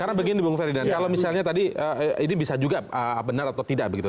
karena begini bung ferdinand kalau misalnya tadi ini bisa juga benar atau tidak begitu